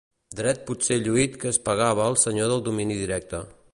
Dret potser lluït que es pagava al senyor del domini directe.